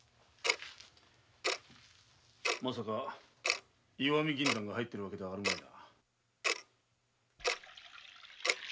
まさか石見銀山が入っているのではあるまいな。